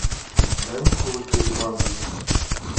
Min tu ceribandî.